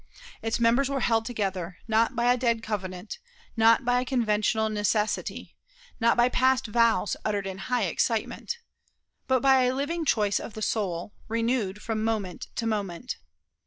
Its members were held together, not by a dead covenant, not by a conventional necessity, not by past vows uttered in high excitement but by a living choice of the soul, renewed from moment to moment.